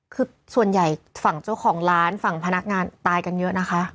คือส่วนใหญ่ฝั่งเจ้าของร้านฝั่งพนักงานตายกันเยอะนะคะ